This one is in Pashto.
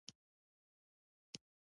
په آسیا کې نه و.